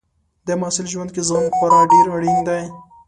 د محصل ژوند کې زغم خورا ډېر اړین دی.